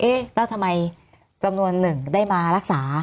แล้วทำไมจำนวนหนึ่งได้มารักษา